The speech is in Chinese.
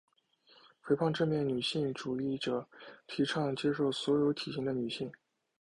肥胖正面女性主义者提倡接受所有体型的女性。